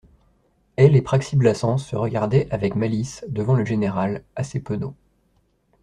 Elle et Praxi-Blassans se regardaient avec malice devant le général, assez penaud.